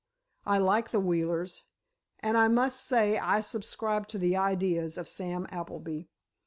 I like the Wheelers, and I must say I subscribe to the ideas of Sam Appleby.